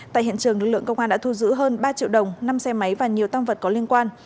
tại hiện trường lực lượng công an đã thu giữ hơn ba triệu đồng năm xe máy và nhiều tăng vật có liên quan